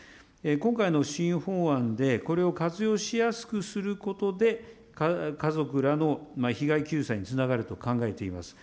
今回の新法案でこれを活用しやすくすることで、家族らの被害救済につながると考えています。